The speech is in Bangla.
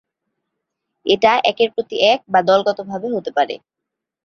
এটা একের প্রতি এক বা দলগতভাবে হতে পারে।